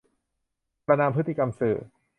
ประนามพฤติกรรมสื่อ